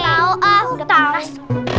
tau ah udah penas